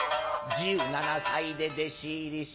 １７歳で弟子入りし